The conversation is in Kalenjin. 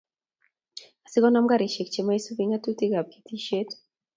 Asikonam garisiek che moisubi ngatutikab ketisiet